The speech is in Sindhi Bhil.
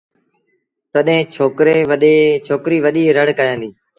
تڏهيݩ ڇوڪريٚ وڏيٚ رڙ ڪيآݩدي